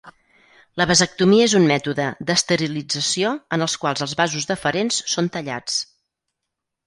La vasectomia és un mètode d'esterilització en el qual els vasos deferents són tallats.